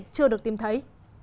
chưa được tìm thấy